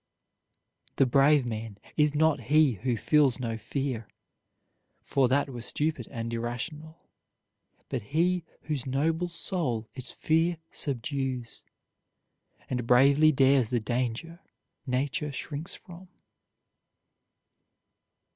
"The brave man is not he who feels no fear, For that were stupid and irrational; But he whose noble soul its fear subdues And bravely dares the danger nature shrinks from."